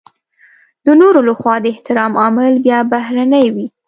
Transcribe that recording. د نورو لخوا د احترام عامل بيا بهرنی وي.